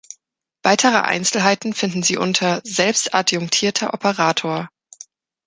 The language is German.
Weitere Einzelheiten finden Sie unter „selbstadjungierter Operator“.